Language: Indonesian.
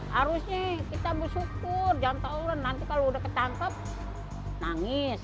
harusnya kita bersyukur jangan tauran nanti kalau udah ketangkep nangis